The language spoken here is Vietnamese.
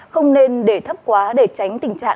không nên để thấp quá để tránh tình trạng